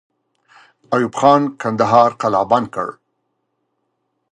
ایوب خان کندهار قلابند کړ.